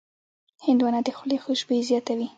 هندوانه د خولې خوشبويي زیاتوي.